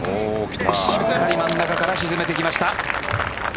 しっかり真ん中から沈めてきました。